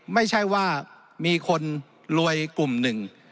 ไม่ใช่ว่ามีคนรวยกลุ่มหนึ่ง